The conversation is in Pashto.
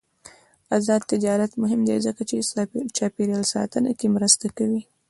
آزاد تجارت مهم دی ځکه چې چاپیریال ساتنه کې مرسته کوي.